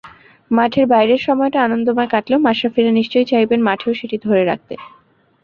মাঠের বাইরের সময়টা আনন্দময় কাটলেও মাশরাফিরা নিশ্চয়ই চাইবেন মাঠেও সেটি ধরে রাখতে।